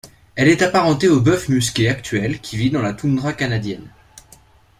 Elle est apparentée au bœuf musqué actuel qui vit dans la toundra canadienne.